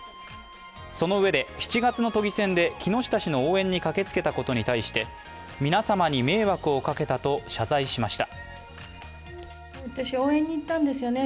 そのうえで、７月の都議選で木下氏の応援に駆けつけたことに対して皆様に迷惑をかけたと謝罪しました。